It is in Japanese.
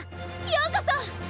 ようこそ！